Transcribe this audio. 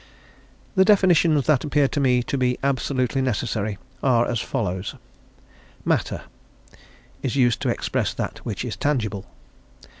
The definitions that appear to me to be absolutely necessary are as follows: Matter is used to express that which is tangible.